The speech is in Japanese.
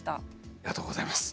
ありがとうございます。